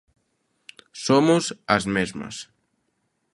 Somos as mesmas.